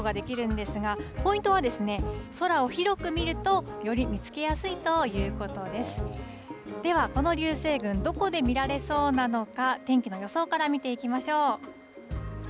では、この流星群、どこで見られそうなのか、天気の予想から見ていきましょう。